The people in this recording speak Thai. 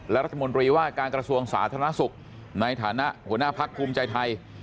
และรัฐมนตรีว่าการกระทรวงสาธารณสุขในฐานะหัวหน้าพักภูมิใจไทย